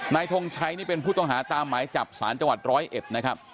ทงชัยนี่เป็นผู้ต้องหาตามหมายจับสารจังหวัดร้อยเอ็ดนะครับ